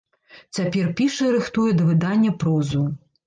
Цяпер піша і рыхтуе да выдання прозу.